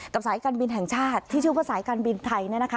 กับสายการบินแห่งชาติที่เชื่อว่าสายการบินไทยนั่นนะคะ